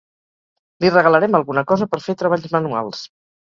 Li regalarem alguna cosa per fer treballs manuals.